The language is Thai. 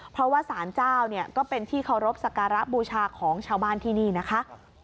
เพราะว่าสารเจ้าเนี่ยก็เป็นที่เคารพสักการะบูชาของชาวบ้านที่นี่นะคะ